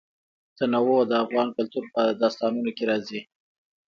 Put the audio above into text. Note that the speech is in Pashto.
تنوع د افغان کلتور په داستانونو کې راځي.